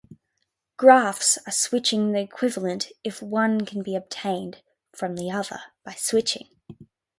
Graphs are switching equivalent if one can be obtained from the other by switching.